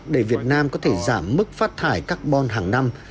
để việt nam có thể giảm mức phát thải carbon hàng năm